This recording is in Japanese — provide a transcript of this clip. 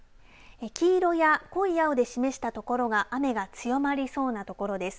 黄色や濃い青で示したところが雨が強まりそうな所です。